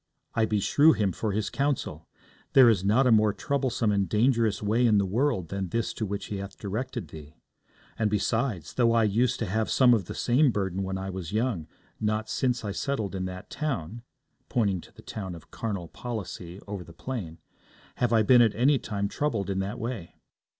I beshrew him for his counsel. There is not a more troublesome and dangerous way in the world than this is to which he hath directed thee. And besides, though I used to have some of the same burden when I was young, not since I settled in that town,' pointing to the town of Carnal Policy over the plain, 'have I been at any time troubled in that way.'